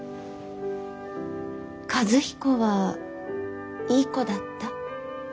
和彦はいい子だった？